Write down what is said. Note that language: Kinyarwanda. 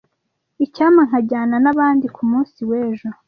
Icyampa nkajyana nabandi kumunsi w'ejo.